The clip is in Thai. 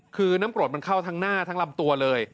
คือน้ำกรดมันเข้าทั้งหน้าทั้งลำตัวเลย